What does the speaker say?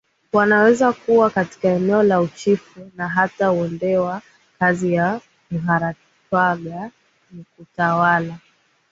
wanaweza kuwa katika eneo la Uchifu na hata Undewa Kazi ya Muharatwaga ni kutawala